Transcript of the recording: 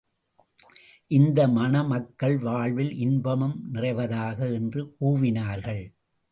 இந்த மணமக்கள் வாழ்வில் இன்பம் நிறைவதாக! என்று கூவினார்கள்.